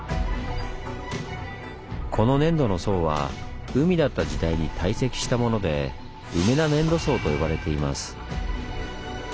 この粘土の層は海だった時代に堆積したもので「梅田粘土層」と呼ばれています。